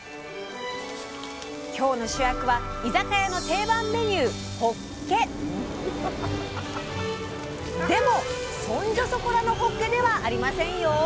今日の主役は居酒屋の定番メニューでもそんじょそこらのほっけではありませんよ！